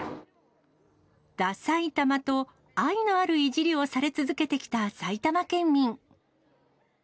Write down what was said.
ダさいたまと愛のあるいじりをされ続けてきた埼玉県民。